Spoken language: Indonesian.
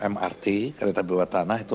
mrt kereta bawah tanah itu